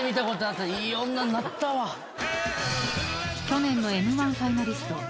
［去年のＭ−１ファイナリスト］